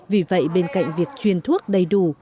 vì vậy bên cạnh việc truyền thuốc đầy đủ